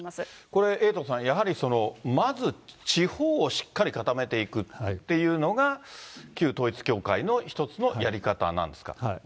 これ、エイトさん、やはりまず地方をしっかり固めていくっていうのが、旧統一教会の一つのやり方なんですか？